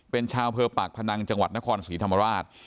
เป็นชาวอำเภอปากพนังจังหวัดนครศรีธรรมราช